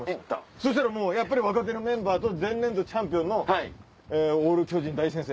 そしたらもうやっぱり若手のメンバーと前年度チャンピオンのオール巨人大先生。